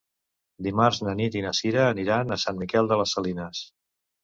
Dimarts na Nit i na Cira aniran a Sant Miquel de les Salines.